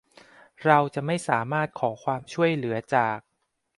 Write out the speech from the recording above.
เราจะไม่สามารถขอความช่วยเหลือจาก